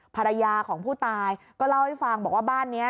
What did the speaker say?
ภรรยาของผู้ตายก็เล่าให้ฟังบอกว่าบ้านนี้